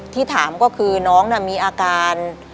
ที่ถามก็คือน้องมีอาการ